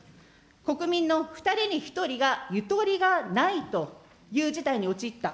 国民の２人に１人がゆとりがないという事態に陥った。